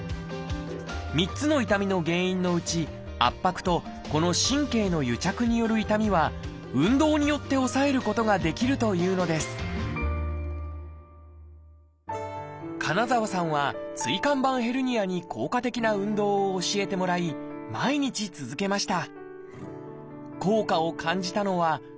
３つの痛みの原因のうち圧迫とこの神経の癒着による痛みは運動によって抑えることができるというのです金澤さんは椎間板ヘルニアに効果的な運動を教えてもらい毎日続けました。